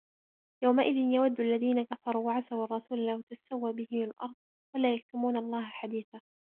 يومئذ يود الذين كفروا وعصوا الرسول لو تسوى بهم الأرض ولا يكتمون الله حديثا